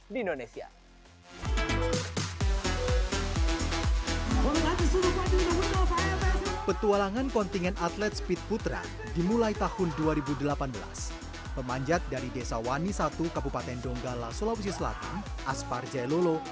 di indonesia dimulai tahun dua ribu delapan belas pemanjat dari desa wani satu kabupaten donggala sulawesi selatan aspar jailolo